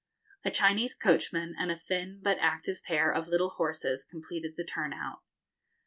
A Chinese coachman and a thin but active pair of little horses completed the turn out.